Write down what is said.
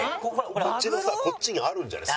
こっちのさこっちにあるんじゃない？